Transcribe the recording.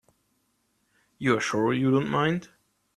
You're sure you don't mind?